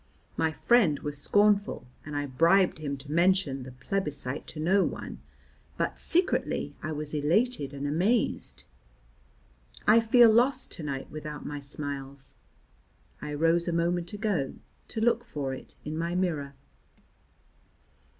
My friend was scornful, and I bribed him to mention the plebiscite to no one, but secretly I was elated and amazed. I feel lost to night without my smiles. I rose a moment ago to look for it in my mirror.